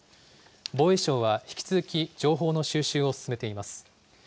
防衛省は引き続き、情報の収集を進めています。